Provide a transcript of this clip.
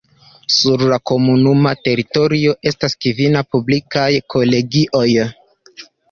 Sur la komunuma teritorio estas kvin publikaj kolegioj.